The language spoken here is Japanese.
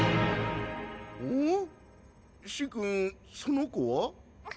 シンくんその子は？